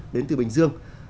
đến từ bình dương